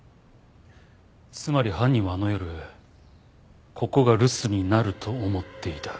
つまり犯人はあの夜ここが留守になると思っていた。